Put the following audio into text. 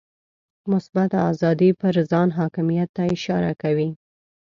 مثبته آزادي پر ځان حاکمیت ته اشاره کوي.